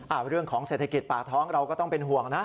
เรื่องของเศรษฐกิจป่าท้องเราก็ต้องเป็นห่วงนะ